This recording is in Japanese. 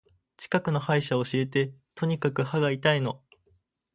近くの歯医者教えて。とにかく歯が痛いの。